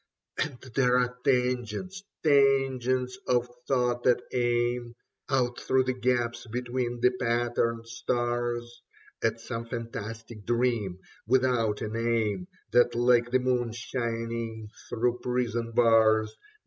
And there are tangents, tangents of thought that aim Out through the gaps between the patterned stars At some fantastic dream without a name That like the moon shining through prison bars.